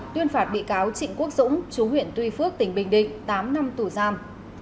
tuyên phạt bị cáo trịnh quốc dũng chú huyện tuy phước tỉnh bình định tám năm tù giam